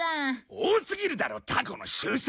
多すぎるだろタコの習性！